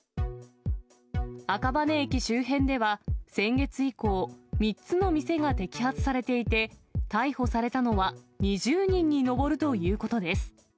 赤羽駅周辺では、先月以降、３つの店が摘発されていて、逮捕されたのは２０人に上るということです。